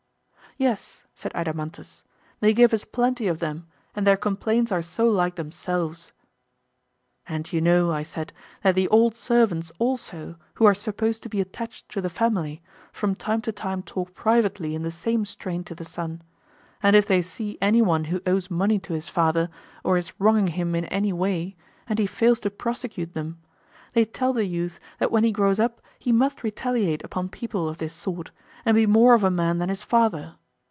Yes, said Adeimantus, they give us plenty of them, and their complaints are so like themselves. And you know, I said, that the old servants also, who are supposed to be attached to the family, from time to time talk privately in the same strain to the son; and if they see any one who owes money to his father, or is wronging him in any way, and he fails to prosecute them, they tell the youth that when he grows up he must retaliate upon people of this sort, and be more of a man than his father.